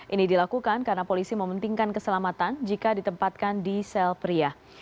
ini dilakukan karena polisi mementingkan keselamatan jika ditempatkan di sel pria